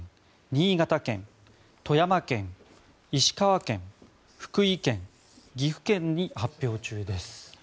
新潟県富山県、石川県福井県、岐阜県に発表中です。